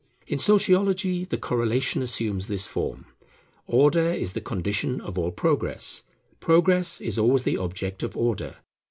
In Sociology the correlation assumes this form: Order is the condition of all Progress; Progress is always the object of Order.